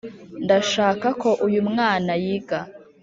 ndashaka ko uyu mwana yiga.